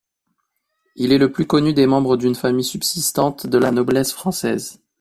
Il est le plus connu des membres d'une famille subsistante de la noblesse française.